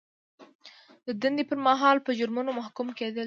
د دندې پر مهال په جرمونو محکوم کیدل.